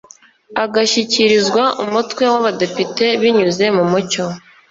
agashyikirizwa Umutwe wabadepite binyuze mumucyo